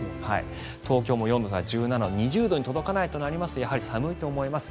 東京も４度下がって２０度に届かないとなりますとやはり寒いと思います。